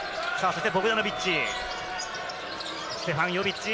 ボグダノビッチ。